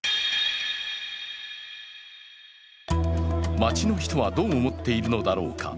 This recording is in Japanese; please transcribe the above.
街の人はどう思っているのだろうか。